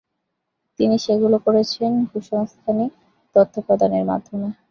তিনি সেগুলো করেছেন ভূসংস্থানিক তথ্যাদি প্রদানের মাধ্যমে।